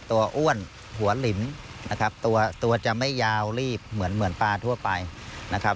ตัวอ้วนหัวลิมนะครับตัวจะไม่ยาวรีบเหมือนปลาทั่วไปนะครับ